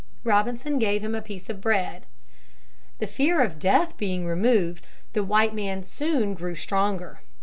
Robinson gave him a piece of bread. The fear of death being removed, the white man soon grew stronger.